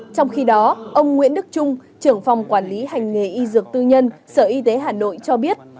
trong khi đó ông nguyễn đức trung trưởng phòng quản lý hành nghề y dược tư nhân sở y tế hà nội cho biết